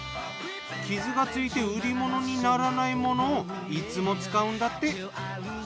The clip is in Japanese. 傷がついて売り物にならないものをいつも使うんだって！